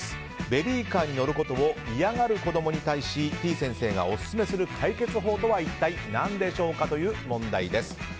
ベビーカーに乗ることを嫌がる子供に対してぃ先生がオススメする解決法とは一体何でしょうかという問題です。